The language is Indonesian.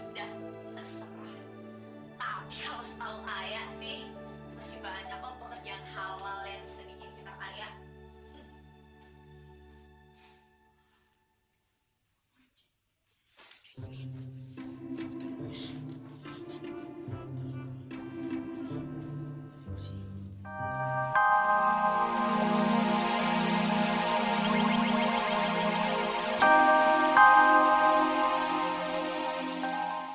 tapi kalau setau ayah sih masih banyak lho pekerjaan halal yang bisa bikin kita ayah